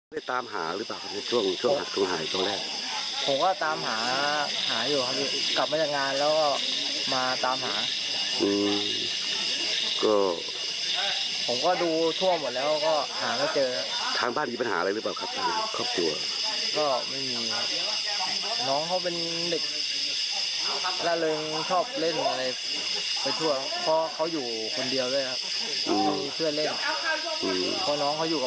เพื่อนเล่นคือคนน้องเขาอยู่กับปู่กันสองคน